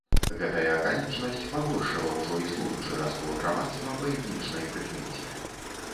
Гэтая акалічнасць пагоршыла ўжо існуючы раскол грамадства па этнічнай прыкмеце.